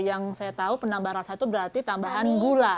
yang saya tahu penambahan rasa itu berarti tambahan gula